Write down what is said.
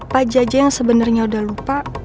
pak jaja yang sebenarnya udah lupa